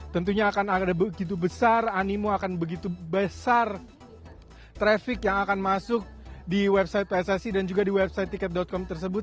tentunya akan ada begitu besar animo akan begitu besar traffic yang akan masuk di website pssi dan juga di website tiket com tersebut